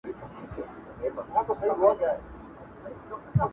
ها د ښكلا شاپېرۍ هغه د سكون سهزادگۍ.